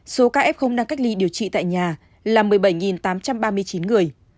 số ca f đang cách ly điều trị tại nhà là một mươi bảy tám trăm ba mươi chín người